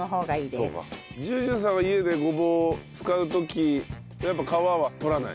ＪＵＪＵさんは家でごぼう使う時やっぱ皮は取らない？